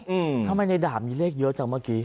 ทำไมในดาบมีเลขเยอะจังเมื่อกี้